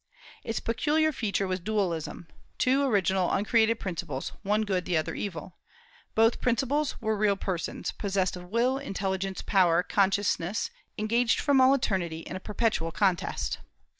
Its peculiar feature was dualism, two original uncreated principles; one good, the other evil. Both principles were real persons, possessed of will, intelligence, power, consciousness, engaged from all eternity in perpetual contest.